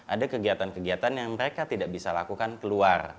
ada kegiatan kegiatan yang mereka tidak bisa lakukan keluar